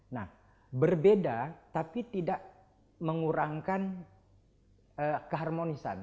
nah berbeda tapi tidak mengurangi keharmonisan